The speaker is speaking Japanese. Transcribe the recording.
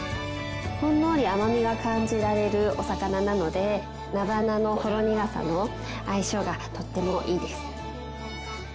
ほんのり甘みが感じられるお魚なので菜花のほろ苦さと相性がとってもいいです。